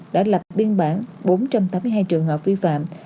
đã lập biên bản bốn trăm tám mươi hai trường hợp vi phạm